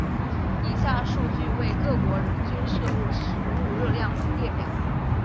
以下数据为各国人均摄入食物热量列表。